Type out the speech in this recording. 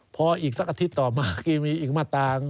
พออีกสักอาทิตย์ต่อมาก็มีอีกมาตรา